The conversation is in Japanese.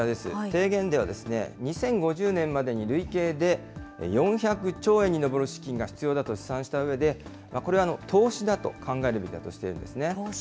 提言では、２０５０年までに累計で４００兆円に上る資金が必要だと試算したうえで、これは投資だと考えるべきだとしているんですね。